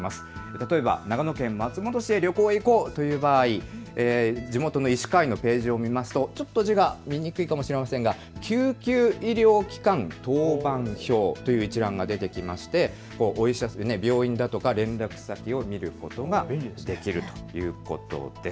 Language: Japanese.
例えば長野県松本市へ旅行に行こうという場合、地元の医師会のページを開くと休日救急医療機関当番表という一覧が出てきまして病院だとか連絡先を見ることができるということです。